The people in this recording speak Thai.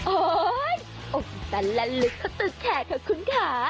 โอ๊ยอุ้มตันและลึกเขาตื่นแขกค่ะคุณค่ะ